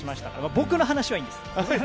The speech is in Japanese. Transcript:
僕の話はいいんです。